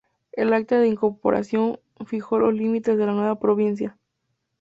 El acta de incorporación fijó los límites de la nueva provincia.